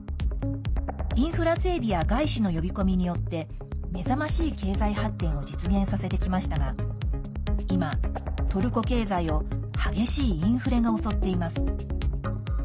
インフラ整備や外資の呼び込みによって目覚ましい経済発展を実現させてきましたが今、トルコ経済を激しいインフレが襲っています。